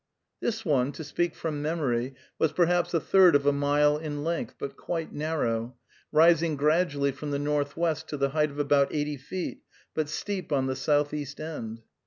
This one, to speak from memory, was perhaps a third of a mile in length, but quite narrow, rising gradually from the northwest to the height of about eighty feet, but steep on the southeast end.